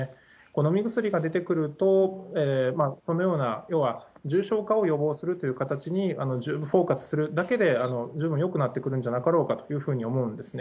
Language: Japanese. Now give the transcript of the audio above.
飲み薬が出てくると、このような、要は重症化を予防する形にフォーカスするだけで、十分よくなってくるんじゃなかろうかと思うんですね。